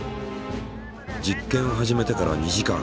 実験を始めてから２時間。